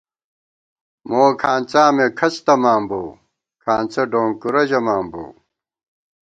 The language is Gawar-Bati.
موکھانڅا مے کھڅ تَمان بوؤ، کھانڅہ ڈونکُورہ ژَمان بوؤ